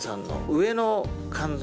上の肝臓